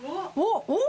おっ？